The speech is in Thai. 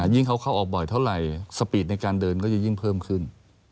ยิ่งเขาเข้าออกบ่อยเท่าไหร่สปีดในการเดินก็จะยิ่งเพิ่มขึ้น